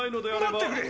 待ってくれ！